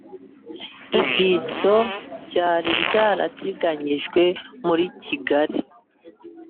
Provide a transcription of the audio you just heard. ibyitso ryari rya rateganyijwe muri kigali.